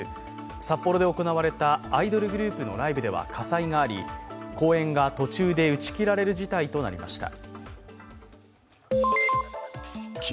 札幌で行われたアイドルグループのライブでは火災があり公演が途中で打ち切られる事態となりました。